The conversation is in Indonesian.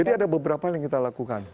jadi ada beberapa hal yang kita lakukan